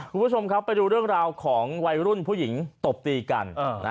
คุณผู้ชมครับไปดูเรื่องราวของวัยรุ่นผู้หญิงตบตีกัน